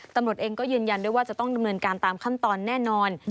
ตำรวจเองก็ยืนยันด้วยว่าจะต้องดำเนินการตามขั้นตอนแน่นอน